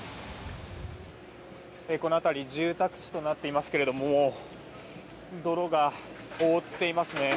この辺り住宅地となっていますけれども泥が覆っていますね。